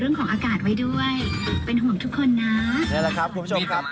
นี่แหละครับคุณผู้ชมครับ